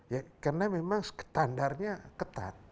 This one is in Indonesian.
ya karena memang standarnya ketat